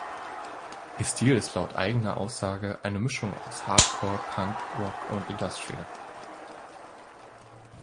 Ihr Stil ist laut eigener Aussage eine Mischung aus Hardcore, Punk, Rock und Industrial.